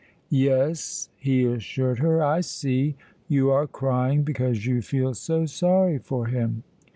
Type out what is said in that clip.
"Yes," he assured her, "I see. You are crying because you feel so sorry for him.